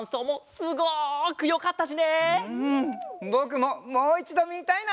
ぼくももういちどみたいな！